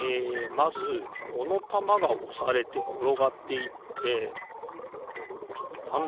まずこのたまがおされてころがっていってなんだ？